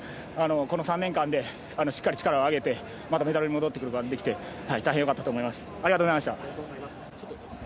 この３年間でしっかり力を上げてまたメダルに戻ってくることができてよかったと思います。